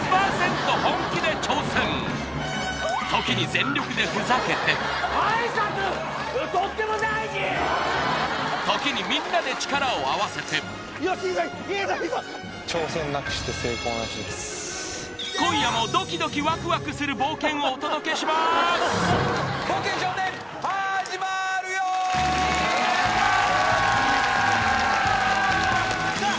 本気で挑戦時に全力でふざけて時にみんなで力を合わせて今夜もドキドキワクワクする冒険をお届けしますさあ